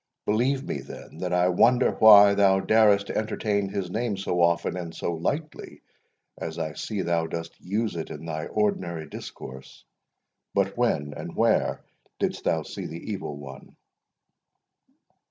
Believe me, then, that I wonder why thou darest to entertain his name so often and so lightly, as I see thou dost use it in thy ordinary discourse. But when and where didst thou see the Evil One?"